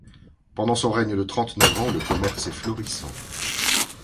Pendant son règne de trente-neuf ans, le commerce est florissant.